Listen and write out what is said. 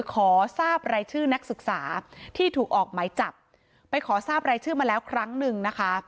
ขอทราบรายชื่อนักศึกษาที่ถูกออกหมายจับไปขอทราบรายชื่อมาแล้วครั้งหนึ่งนะคะ